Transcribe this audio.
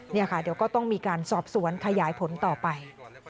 เดี๋ยวค่ะเดี๋ยวก็ต้องมีการสอบสวนขยายผลต่อไป